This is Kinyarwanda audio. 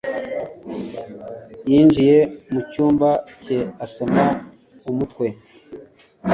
Yinjiye mu cyumba cye asoma umutwe